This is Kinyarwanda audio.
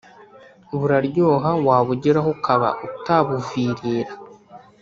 buraryoha wabugeraho ukaba utabuvirira